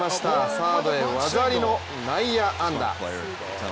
サードへ技ありの内野安打。